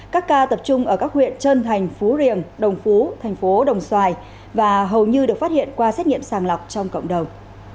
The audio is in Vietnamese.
các ca tập trung ở các huyện trơn thành phú riềng đồng phú thành phố đồng xoài và hầu như được phát hiện qua xét nghiệm sàng lọc trong cộng đồng